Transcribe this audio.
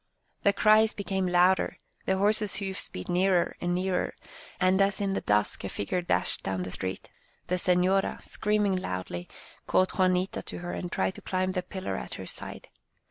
The cries became louder, the horses' hoofs beat nearer and nearer, and as in the dusk a figure dashed down the street, the senora, screaming loudly, caught Juanita to her and tried to climb the pillar at her side.